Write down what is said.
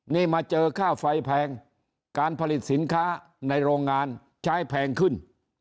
นี่มาเจอค่าไฟแพงการผลิตสินค้าในโรงงานใช้แพงขึ้น